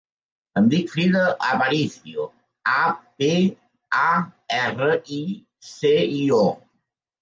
Em dic Frida Aparicio: a, pe, a, erra, i, ce, i, o.